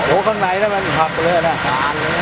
โหข้างในแล้วมันพักเยอะแหละ